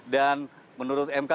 dan menurut mk